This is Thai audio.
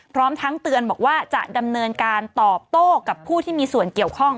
พร้อมทั้งเตือนบอกว่าจะดำเนินการตอบโต้กับผู้ที่มีส่วนเกี่ยวข้อง